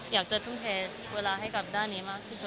อยากจะทุ่มเทเวลาให้กับด้านนี้มากที่สุด